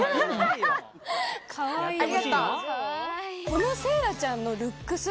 このせいらちゃんのルックス。